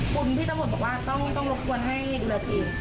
คุณพี่ตัวหมดบอกว่าต้องต้องรบกวนให้ดูแลจริง